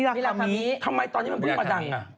ทำไมตอนนี้มันไม่มาดังอ่ะ